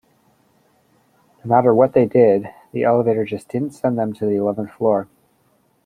No matter what they did, the elevator just didn't send them to the eleventh floor.